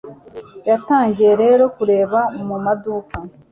yatangiye rero kureba mu maduka